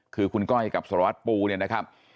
คือคุณก้อยกับสารวัตรปูเนี่ยนะครับ